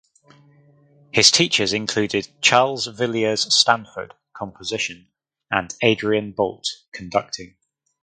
His teachers included Charles Villiers Stanford (composition) and Adrian Boult (conducting).